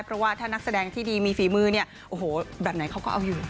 เพราะว่าถ้านักแสดงที่ดีมีฝีมือเนี่ยโอ้โหแบบไหนเขาก็เอาอยู่